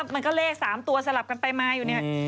มันก็เลข๓ตัวสลับกันไปมาอยู่เนี่ย